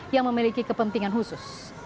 yang memiliki kepentingan khusus